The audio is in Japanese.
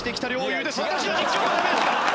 私の実況もダメですか？